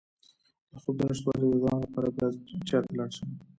د خوب د نشتوالي د دوام لپاره باید چا ته لاړ شم؟